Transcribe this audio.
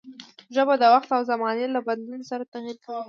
ژبه د وخت او زمانې له بدلون سره تغير کوي.